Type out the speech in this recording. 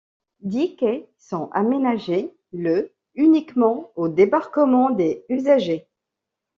Dix quais sont aménagés, le uniquement au débarquement des usagers.